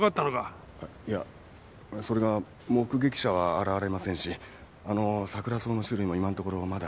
いやそれが目撃者は現れませんしあのサクラソウの種類も今のところまだ。